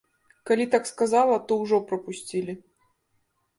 Калі так сказала, то ўжо прапусцілі.